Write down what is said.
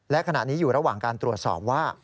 และขณะนี้อยู่ระหว่างการตรวจสอบว่า